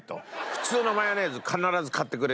「普通のマヨネーズを必ず買ってくれ！」